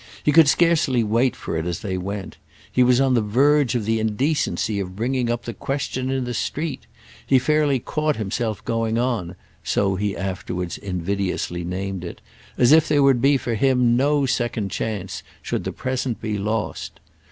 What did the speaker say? He could scarcely wait for it as they went; he was on the verge of the indecency of bringing up the question in the street; he fairly caught himself going on—so he afterwards invidiously named it—as if there would be for him no second chance should the present be lost.